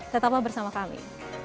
tetaplah bersama kami